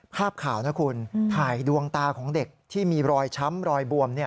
ภาพข่าวนะคุณถ่ายดวงตาของเด็กที่มีรอยช้ำรอยบวม